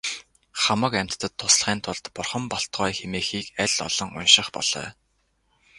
Хамаг амьтдад туслахын тулд бурхан болтугай хэмээхийг аль олон унших болой.